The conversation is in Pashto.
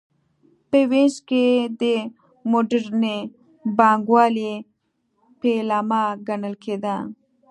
په وینز کې د موډرنې بانک والۍ پیلامه ګڼل کېده